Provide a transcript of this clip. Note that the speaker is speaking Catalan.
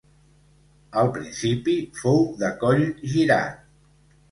Al principi fou de coll girat.